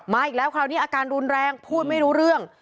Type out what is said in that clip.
อีกแล้วคราวนี้อาการรุนแรงพูดไม่รู้เรื่อง